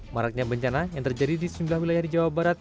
maraknya bencana yang terjadi di sejumlah wilayah di jawa barat